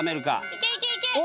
いけいけいけ！